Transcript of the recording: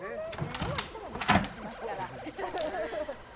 どの人もビックリしますから。